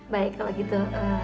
baik kalau begitu